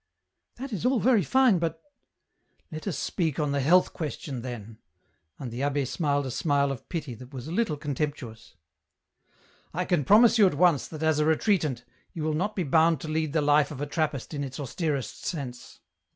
" That is all very fine, but ..."" Let us speak on the health question, then ;" and the abb^ smiled a smile of pity that was a little contemptuous. EN ROUTE. 115 " I can promise you at once that as a retreatant, you will not be bound to lead the life of a Trappist in its austerest sense.